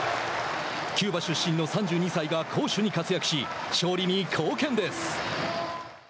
キューバ出身の３２歳が攻守に活躍し勝利に貢献です。